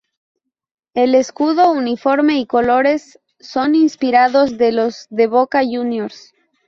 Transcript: El escudo, uniforme y colores son inspirados de los de Boca Juniors.